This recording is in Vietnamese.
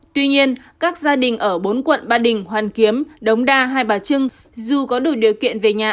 tuy nhiên các gia đình ở bốn quận ba đình hoàn kiếm đống đa hai bà trưng dù có đủ điều kiện về nhà